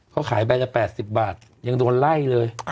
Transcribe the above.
เขาขายใบละ๘๐บาทยังโดนไล่เลย